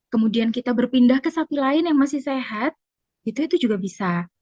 kemudian kita berpindah ke sapi lain yang masih sehat itu juga bisa